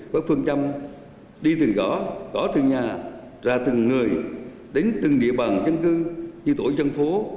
với phương chăm đi từ gõ gõ từ nhà ra từng người đến từng địa bàn dân cư như tổ dân phố